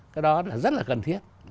cái đó là rất là cần thiết